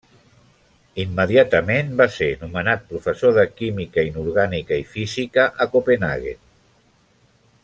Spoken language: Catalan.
Immediatament va ser nomenat professor de química inorgànica i física a Copenhaguen.